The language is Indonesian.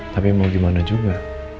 tapi mau gimana juga